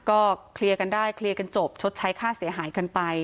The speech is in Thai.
ก็เคลียร์กันได้เคลียร์กันจบชดใช้ค่าเสียหายกันไป